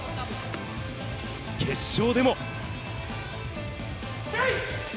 決勝でも。